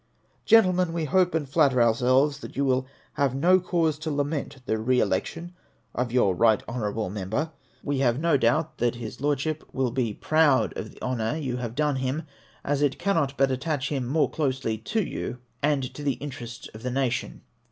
Gentlemen, we hope and flatter ourselves that you will have no cause to lament the re election of your Eight Honour able Member; we have no doubt his Lordship will be proud STOCK EXCHANGE PRACTICES. 469 of the honour you have done him, as it cannot but attach him more closely to you and to the interests of the nation.